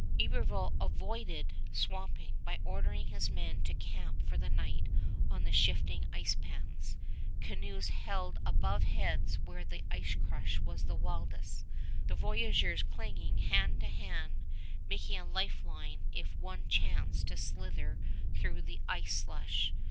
Iberville avoided swamping by ordering his men to camp for the night on the shifting ice pans, canoes held above heads where the ice crush was wildest, the voyageurs clinging hand to hand, making a life line if one chanced to slither through the ice slush.